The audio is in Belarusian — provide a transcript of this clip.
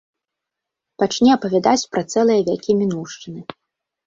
Пачне апавядаць пра цэлыя вякі мінуўшчыны.